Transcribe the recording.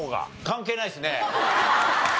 関係ないですね。